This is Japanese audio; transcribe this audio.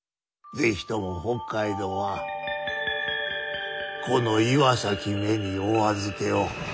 是非とも北海道はこの岩崎めにお預けを。